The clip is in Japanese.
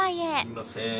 すいませーん。